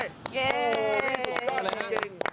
เย่ดีจริง